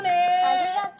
ありがとう。